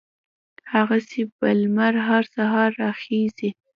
هغسې به لمر هر سهار را خېژي